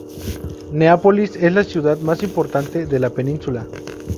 Neápolis es la ciudad más importante de la península.